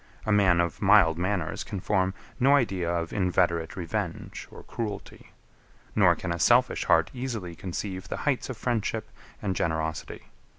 A man of mild manners can form no idea of inveterate revenge or cruelty; nor can a selfish heart easily conceive the heights of friendship and generosity.